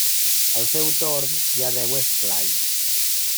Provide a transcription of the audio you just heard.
Al seu torn hi ha deu esplais.